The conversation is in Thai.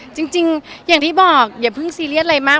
จริงอย่างที่บอกอย่าเพิ่งซีเรียสอะไรมาก